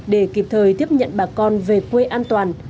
để kịp thời tiếp nhận bà con về quê an toàn